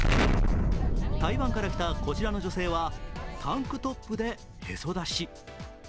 台湾から来たこちらの女性はタンクトップでへそ出し。